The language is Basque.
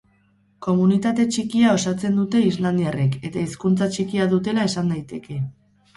Komunitate txikia osatzen dute islandiarrek eta hizkuntza txikia dutela esan daiteke.